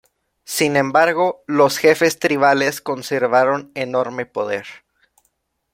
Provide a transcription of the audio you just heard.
Sin embargo, los jefes tribales conservaron enorme poder.